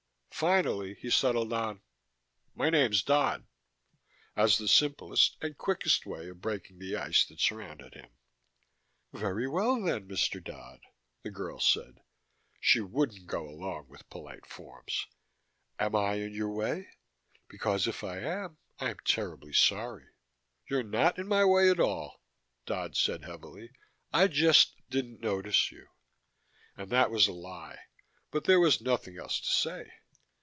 Finally he settled on: "My name's Dodd," as the simplest and quickest way of breaking the ice that surrounded him. "Very well, then, Mr. Dodd," the girl said she wouldn't go along with polite forms "am I in your way? Because if I am, I'm terribly sorry." "You're not in my way at all," Dodd said heavily. "I just didn't notice you." And that was a lie, but there was nothing else to say.